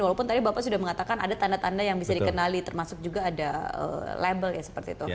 walaupun tadi bapak sudah mengatakan ada tanda tanda yang bisa dikenali termasuk juga ada label ya seperti itu